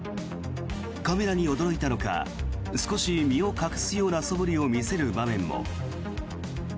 カメラに驚いたのか少し身を隠すようなそぶりを見せる場面も。